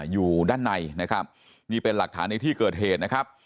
อยู่ด้านในนะครับนี่เป็นหลักฐานในที่เกิดเหตุนะครับ